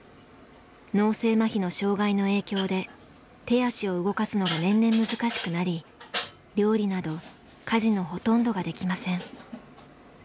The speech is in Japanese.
脳性まひの障害の影響で手足を動かすのが年々難しくなり料理など家事のほとんどができません。